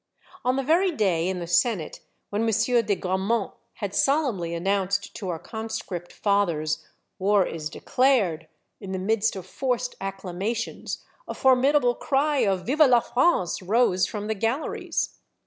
On the very day in the Senate when M. de Grammont had solemnly announced to our conscript fathers, " War is declared !" in the midst of forced accla mations, a formidable cry of " Vive la France !" rose from the galleries.